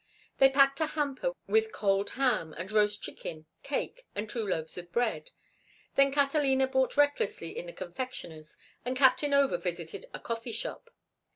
They packed a hamper with cold ham and roast chicken, cake, and two loaves of bread. Then Catalina bought recklessly in a confectioner's and Captain Over visited a coffee shop.